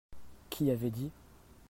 Qui avait dit ?